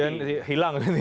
tidak kemudian hilang